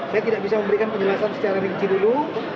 saya tidak bisa memberikan penjelasan secara rinci dulu